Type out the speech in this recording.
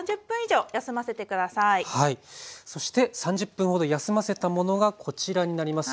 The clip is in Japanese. そして３０分ほど休ませたものがこちらになります。